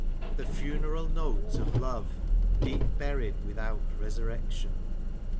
The funeral note Of love, deep buried, without resurrection.